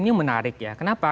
ini menarik ya kenapa